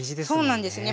そうなんですね。